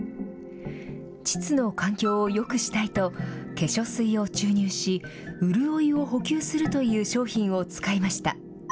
膣の環境をよくしたいと化粧水を注入しうるおいを補給するという商品を使いました。